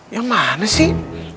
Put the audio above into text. yang mana sih